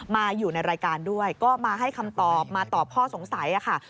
มาอยู่ในรายการด้วยก็มาให้คำตอบมาตอบข้อสงสัยค่ะ